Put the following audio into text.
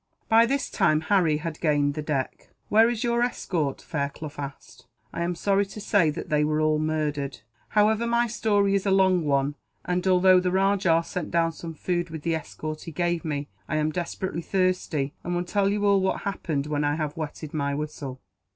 By this time, Harry had gained the deck. "Where is your escort?" Fairclough asked. "I am sorry to say that they were all murdered. However, my story is a long one and, although the rajah sent down some food with the escort he gave me, I am desperately thirsty, and will tell you all that happened when I have wetted my whistle."